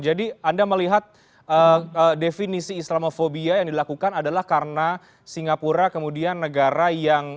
jadi anda melihat definisi islamofobia yang dilakukan adalah karena singapura kemudian negara yang